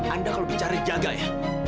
anda kalau dicari jaga ya